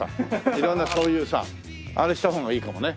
色んなそういうさあれした方がいいかもね。